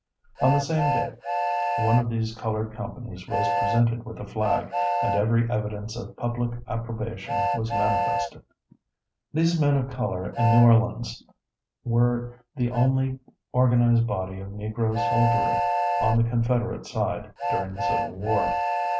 " On the same day, one of these colored companies was presented with a flag, and every evidence of public approbation was manifested. These men of color in New Orleans were the only organized body of Negro soldiery on the Confederate side during the Civil War.